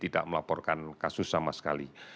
tidak melaporkan kasus sama sekali